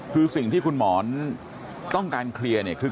คือสิ่งที่คุณหมอนต้องการเคลียร์เนี่ยคือ